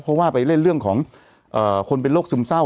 เพราะว่าไปเล่นเรื่องของคนเป็นโรคซึมเศร้า